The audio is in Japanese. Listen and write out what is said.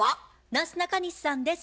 なすなかにしさんです。